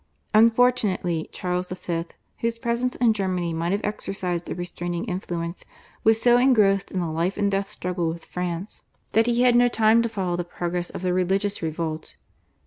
Unfortunately Charles V., whose presence in Germany might have exercised a restraining influence, was so engrossed in the life and death struggle with France that he had no time to follow the progress of the religious revolt.